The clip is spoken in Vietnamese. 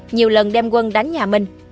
nhiều lần đem quân đánh nhà mình